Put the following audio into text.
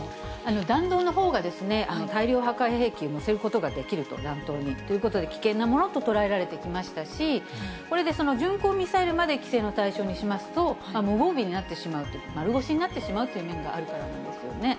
弾道のほうが、大量破壊兵器を載せることができると、弾頭に、ということで危険なものと捉えられてきましたし、これで巡航ミサイルまで規制の対象にしますと、無防備になってしまうと、丸腰になってしまうという意味があるからなんですよね。